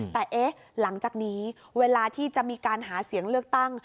แต่เอ๊ะหลังจากนี้เวลาที่จะมีการหาเสียงเลือกตั้ง